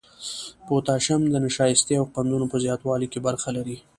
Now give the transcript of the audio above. پوتاشیم د نشایستې او قندونو په زیاتوالي کې برخه لري.